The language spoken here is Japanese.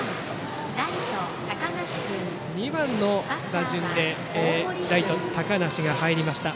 ２番の打順でライト、高梨が入りました。